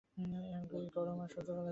এই গরম আর সহ্য করা যাচ্ছে না।